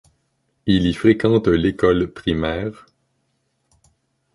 Il y fréquente l'école primaire.